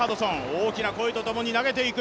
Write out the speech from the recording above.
大きな声とともに投げていく。